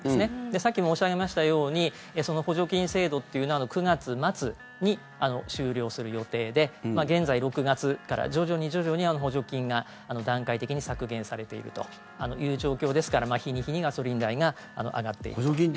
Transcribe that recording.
さっき申し上げましたようにその補助金制度というのは９月末に終了する予定で現在、６月から徐々に補助金が段階的に削減されているという状況ですから日に日にガソリン代が上がっているということですね。